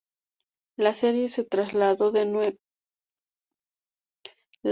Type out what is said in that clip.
La serie se trasladó de nuevo a Ohio, para el sexto partido.